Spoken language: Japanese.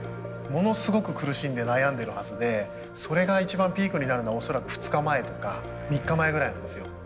ものすごく苦しんで悩んでるはずでそれが一番ピークになるのは恐らく２日前とか３日前ぐらいなんですよ。